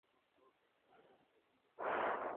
Pero es sabroso.